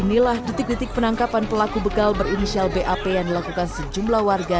inilah detik detik penangkapan pelaku bekal berinisial bap yang dilakukan sejumlah warga